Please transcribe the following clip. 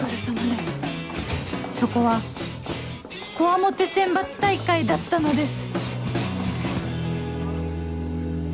そこは強面選抜大会だったのです